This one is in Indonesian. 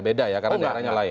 beda ya karena daerahnya lain